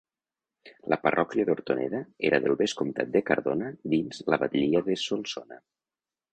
La parròquia d'Hortoneda era del vescomtat de Cardona dins la batllia de Solsona.